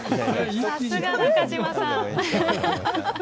さすが、中島さん。